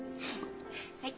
はい。